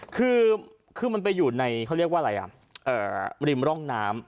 คือมันไปอยู่ในเขาเรียกว่าอะไรอ่ะริมร่องน้ำ